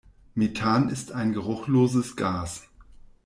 Methan ist ein geruchloses Gas.